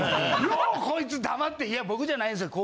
ようコイツ黙って「いや僕じゃないですよ。